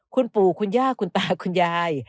คุณปู่คุณย่าคุณตาคุณยาย